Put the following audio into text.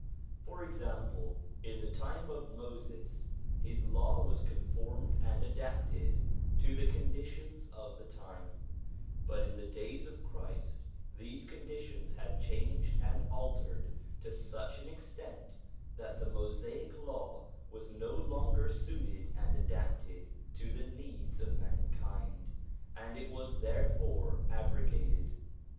For example, in the time of Moses, his Law was conformed and adapted to the conditions of the time; but in the days of Christ these conditions had changed and altered to such an extent that the Mosaic Law was no longer suited and adapted to the needs of mankind, and it was therefore abrogated.